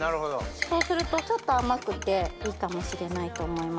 そうするとちょっと甘くていいかもしれないと思います。